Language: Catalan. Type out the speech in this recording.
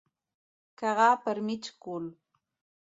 Cagar per mig cul.